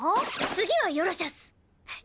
次はよろしゃす！